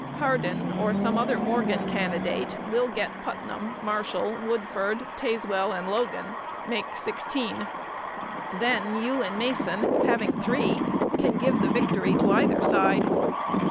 Hardin, or some other Morgan candidate, will get Putnam, Marshall, Woodford, Tazewell, and Logan, make sixteen. Then you and Mason, having three, can give the victory to either side.